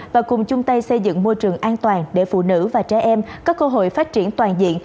và cùng chung tay xây dựng môi trường an toàn để phụ nữ và trẻ em có cơ hội phát triển toàn diện